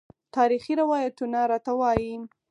تاریخي روایتونه راته وايي.